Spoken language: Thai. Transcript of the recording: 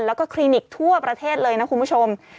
แล้วก็คลินิกทั่วประเทศเลยนะคุณผู้ชม